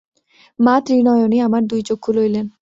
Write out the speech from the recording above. মা ত্রিনয়নী আমার দুইচক্ষু লইলেন।